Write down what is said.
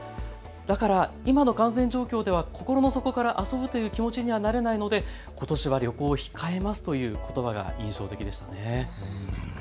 だから今の感染状況では心の底から遊ぶという気持ちにはならないので、ことしは旅行控えますということばが印象的でした。